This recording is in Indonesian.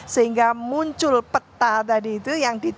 sehingga muncul peta tadi itu